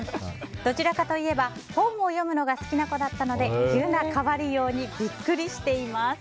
どちらかといえば本を読むのが好きな子だったので急な変わりようにビックリしています。